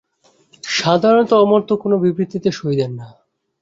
সাধারণত, অমর্ত্য কোনো বিবৃতিতে সই দেন না।